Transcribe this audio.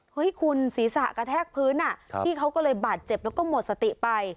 เฮ้ยคุณศีรษะกระแทกพื้นพี่เขาก็เลยบาดเจ็บแล้วก็หมดสติไป